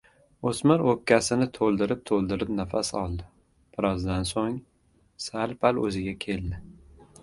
Oʻsmir oʻpkasini toʻldirib-toʻldirib nafas oldi, bir ozdan soʻng sal-pal oʻziga keldi.